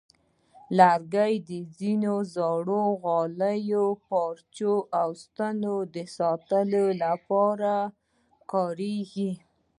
لرګي د ځینو زړو غالیو، پارچو، او ستنو د ساتلو لپاره کارېږي.